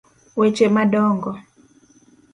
weche ma dongo: